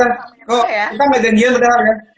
oh kita matching dia betul betul ya